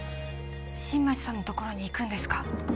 新町さんのところに行くんですか？